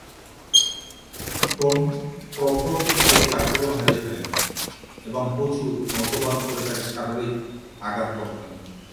Tone ক্রফোর্ডের প্রতি আগ্রহ হারিয়ে ফেলেন এবং প্রচুর মদ্যপান করে তাকে শারীরিক আঘাত করতেন।